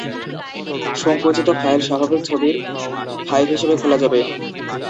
সংকুচিত ফাইল স্বাভাবিক ছবির ফাইল হিসেবে খোলা যাবে।